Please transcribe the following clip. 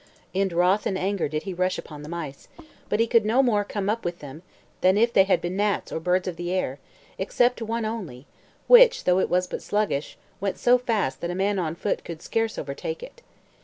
In wrath and anger did he rush upon the mice; but he could no more come up with them than if they had been gnats or birds of the air, except one only, which, though it was but sluggish, went so fast that a man on foot could scarce overtake it.